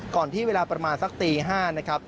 ที่เวลาประมาณสักตี๕นะครับ